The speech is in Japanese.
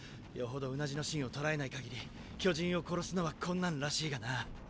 よほどうなじの芯を捉えない限り巨人を殺すのは困難らしいがな。